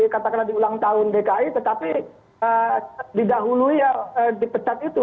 katakanlah diulang tahun dki tetapi dipecat itu